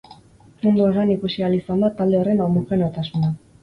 Mundu osoan ikusi ahal izan da talde horren homogeneotasuna.